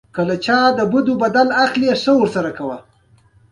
ایا ستاسو سبزي به پاکه نه وي؟